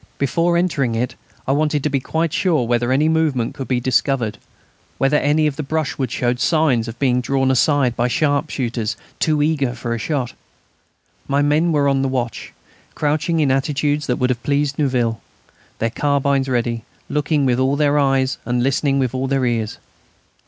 Before entering it I wanted to be quite sure whether any movement could be discovered, whether any of the brushwood showed signs of being drawn aside by sharpshooters too eager for a shot. My men were on the watch, crouching in attitudes that would have pleased Neuville, their carbines ready, looking with all their eyes and listening with all their ears.